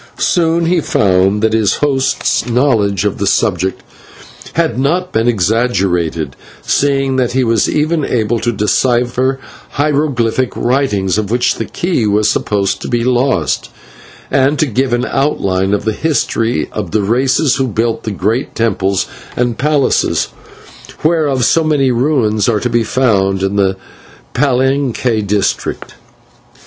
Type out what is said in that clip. Soon he found that his host's knowledge of the subject had not been exaggerated, seeing that he was even able to decipher hieroglyphic writings of which the key was supposed to be lost, and to give an outline of the history of the races who built the great temples and palaces, whereof so many ruins are to be found in the Palenque district.